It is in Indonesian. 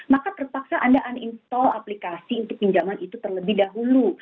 maka terpaksa anda uninstall aplikasi untuk pinjaman itu terlebih dahulu